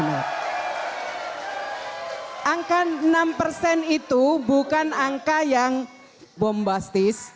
angka enam persen itu bukan angka yang bombastis